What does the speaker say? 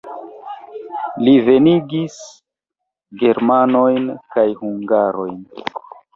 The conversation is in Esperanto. Li venigis germanojn kaj hungarojn.